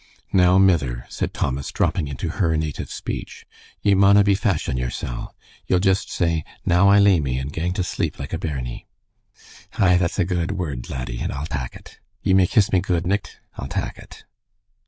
"Now, mither," said Thomas, dropping into her native speech, "ye mauna be fashin' yersel. Ye'll jist say 'Now I lay me,' and gang to sleep like a bairnie." "Ay, that's a guid word, laddie, an' a'll tak it. Ye may kiss me guid nicht. A'll tak it."